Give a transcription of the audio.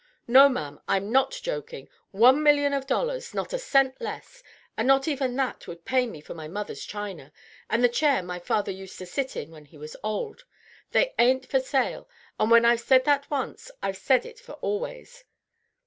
"No, ma'am, I'm not joking. One million of dollars! not a cent less; and not even that would pay me for my mother's china, and the chair my father used to sit in when he was old. They ain't for sale; and when I've said that once, I've said it for always."